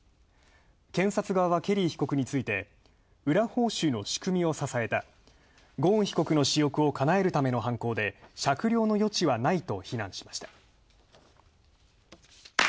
検察側はケリー被告について裏報酬の仕組みを支えた、ゴーン被告の私欲をかなえるための犯行で酌量の余地はないと非難しました。